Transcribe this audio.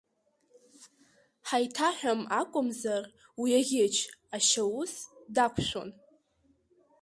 Ҳаиҭаҳәам акумзар, уи аӷьыч ашьаус дақушәон!